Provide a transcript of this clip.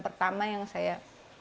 pertama yang saya